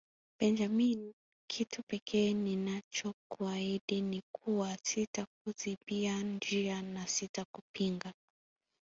Benjamin kitu pekee ninachokuahidi ni kuwa sitakuzibia njia na sitakupinga